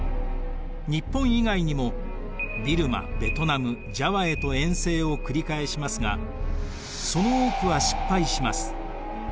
日本以外にもビルマベトナムジャワへと遠征を繰り返しますがその多くは失敗します。